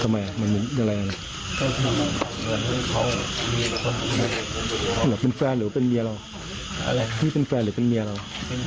มีเรื่องอะไรว่าเป็นแฟนหรือเป็นเมียเรา